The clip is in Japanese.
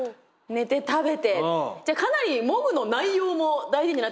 寝て食べてじゃあかなりモグの内容も大事になってきますよね。